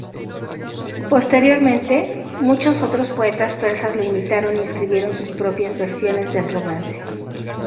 Posteriormente, muchos otros poetas persas lo imitaron y escribieron sus propias versiones del romance.